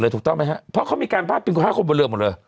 หมดเลยถูกต้องไหมครับเพราะเขามีการภาพเป็นภาพคนบนเรือหมดเลย